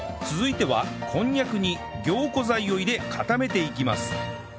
続いてはこんにゃくに凝固剤を入れ固めていきます